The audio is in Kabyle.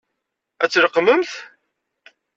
Ad tt-leqqment?